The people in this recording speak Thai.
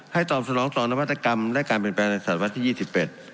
ให้ตอบสนองต่อนวัตกรรมและการเปลี่ยนแปลงศักดิ์ภาพที่๒๑